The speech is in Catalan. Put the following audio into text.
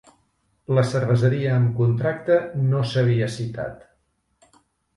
La cerveseria amb contracte no s'havia citat.